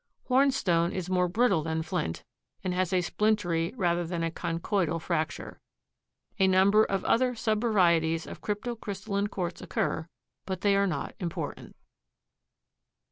Hornstone is more brittle than flint and has a splintery rather than a conchoidal fracture. A number of other subvarieties of crypto crystalline quartz occur, but they are not important.